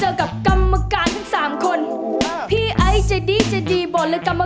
เฮ้ยตายแล้ว